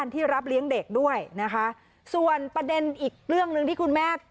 ที่รับเลี้ยงเด็กด้วยนะคะส่วนประเด็นอีกเรื่องหนึ่งที่คุณแม่